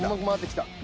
回ってきた。